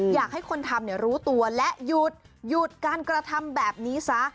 อยากให้คนทำรู้ตัวและหยุดหยุดการกระทำแบบนี้ซะ